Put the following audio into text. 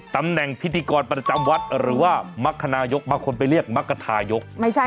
ตำแหน่งพิธีกรประจำวัดหรือว่ามรรคนายกบางคนไปเรียกมรรคทายก